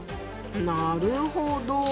なるほど。